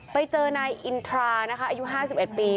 ไปเจอนายอินทรานะคะอายุห้าสิบเอ็ดปี